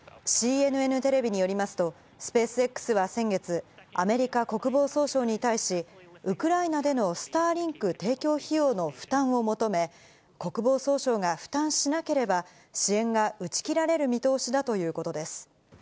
ＣＮＮテレビによりますと、スペースＸは先月、アメリカ国防総省に対し、ウクライナでのスターリンク提供費用の負担を求め、国防総省が負担しなければ、支援が打ち切られる見通しだということです。